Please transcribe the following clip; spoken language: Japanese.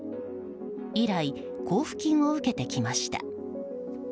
以来、交付金を受けてきました。